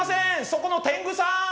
そこの天狗さん！